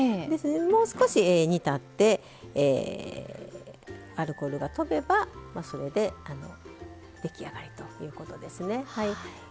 もう少し煮立ってアルコール分がとべばそれで出来上がりということですね。